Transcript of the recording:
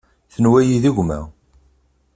Tenwa-yi d gma.